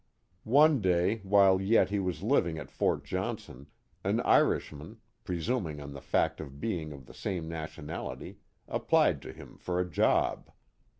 One day while yet he was living at Fort Johnson, an Irishman, presuming on the fact of being of the same nationality, applied to him for a job.